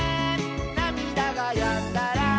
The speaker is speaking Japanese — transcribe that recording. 「なみだがやんだら」